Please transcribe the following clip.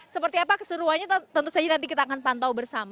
seperti apa keseruannya tentu saja nanti kita akan pantau bersama